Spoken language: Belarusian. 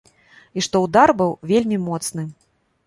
І што ўдар быў вельмі моцны.